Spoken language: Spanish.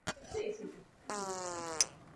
Con esa letra de médico no hay quien entienda nada